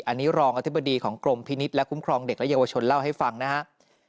อันนี้รองอธิบดีของกรมพินิษฐ์และคุ้มครองเด็กและเยาวชนเล่าให้ฟังนะครับ